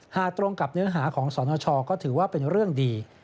ตรงกับเนื้อหาของสนชก็ถือว่าเป็นเรื่องดี